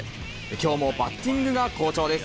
きょうもバッティングが好調です。